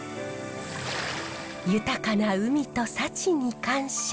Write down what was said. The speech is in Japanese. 豊かな海と幸に感謝。